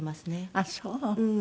あっそう！